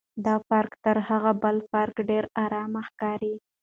دا پارک تر هغه بل پارک ډېر ارامه ښکاري.